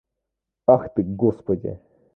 Ах ты, господи!